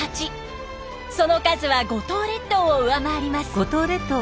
その数は五島列島を上回ります。